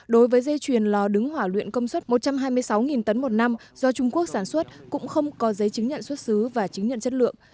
đối với dây chuyền lò đứng hỏa luyện công suất một trăm hai mươi sáu tấn một năm do trung quốc sản xuất cũng không có giấy chứng nhận xuất xứ và chứng nhận chất lượng